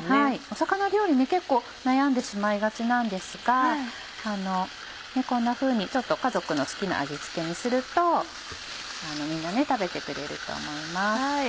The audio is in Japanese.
魚料理結構悩んでしまいがちなんですがこんなふうに家族の好きな味付けにするとみんな食べてくれると思います。